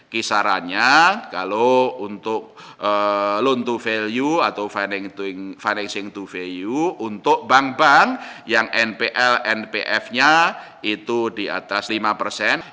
kisarannya kalau untuk loan to value atau financing to value untuk bank bank yang npl npf nya itu di atas lima persen